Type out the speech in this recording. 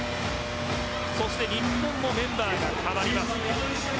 そして日本もメンバーが代わります。